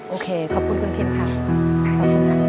โอเคขอบคุณคุณพิมพ์ค่ะ